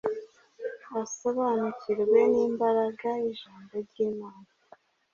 asobanukirwe n’imbaraga y’ijambo ry’Imana.